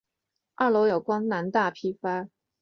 二楼有光南大批发。